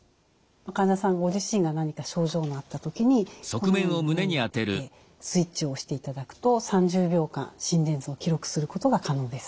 患者さんご自身が何か症状のあった時にこのように胸に当ててスイッチを押していただくと３０秒間心電図を記録することが可能です。